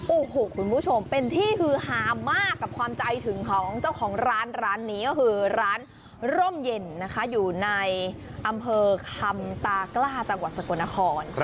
โอ้โหคุณผู้ชมเป็นที่ฮือฮามากกับความใจถึงของเจ้าของร้านร้านนี้ก็คือร้านร่มเย็นนะคะอยู่ในอำเภอคำตากล้าจังหวัดสกลนคร